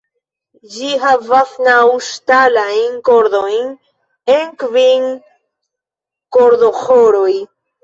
Ĝi havas naŭ ŝtalajn kordojn en kvin kordoĥoroj.